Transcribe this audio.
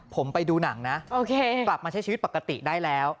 ผมไปดูหนังนะกลับมาใช้ชีวิตปกติได้แล้ว